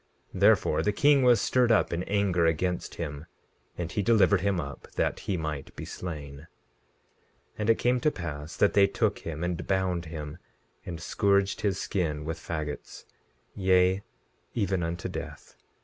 Therefore the king was stirred up in anger against him, and he delivered him up that he might be slain. 17:13 And it came to pass that they took him and bound him, and scourged his skin with faggots, yea, even unto death.